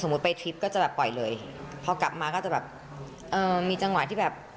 ไปทริปก็จะแบบปล่อยเลยพอกลับมาก็จะแบบเอ่อมีจังหวะที่แบบ